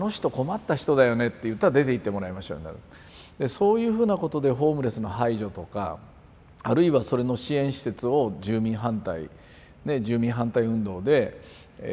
そういうふうなことでホームレスの排除とかあるいはそれの支援施設を住民反対住民反対運動で造らせないとか。